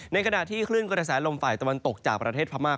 ในขณะที่คลื่นกระแสลมฝ่ายตะวันตกจากประเทศพม่า